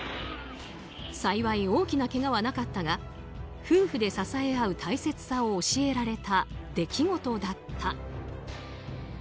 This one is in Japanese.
幸い、大きなけがはなかったが夫婦で支え合う大切さを教えられた出来事だった。